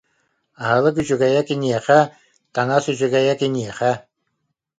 Аһылык үчүгэйэ киниэхэ, таҥас үчүгэйэ киниэхэ